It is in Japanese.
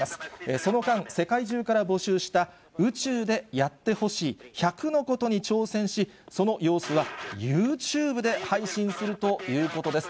その間、世界中から募集した、宇宙でやってほしい１００のことに挑戦し、その様子はユーチューブで配信するということです。